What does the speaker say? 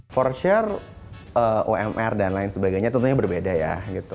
for sure omr dan lain sebagainya tentunya berbeda ya